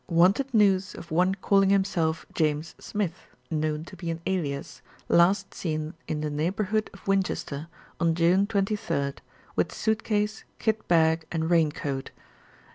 Wanted news of one calling him self James Smith (known to be an alias), last seen in the neighbourhood of Winchester on June 23rd, with suit case, kit bag and rain coat.